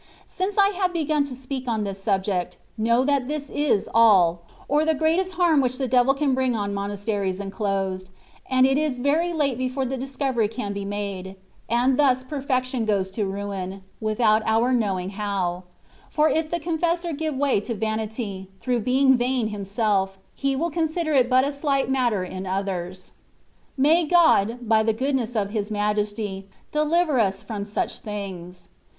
Since I have begun to speak on this subject, know that this is all, or the greatest harm which the devil can bring on monasteries enclosed, and it is very late before the discovery can be made : and thus perfection goes to ruin, without our knowing how ; for if the confessor give way to vanity, through being vain himself, he will consider it but a slight matter in others. May God, by the goodness of His Majesty, deliver us from such things.